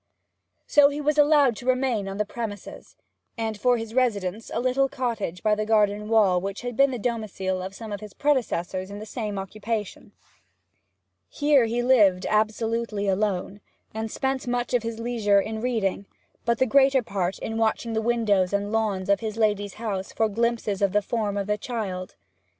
So he was allowed to remain on the premises, and had for his residence a little cottage by the garden wall which had been the domicile of some of his predecessors in the same occupation. Here he lived absolutely alone, and spent much of his leisure in reading, but the greater part in watching the windows and lawns of his lady's house for glimpses of the form of the child.